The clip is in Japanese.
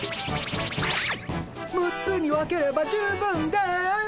６つに分ければ十分です。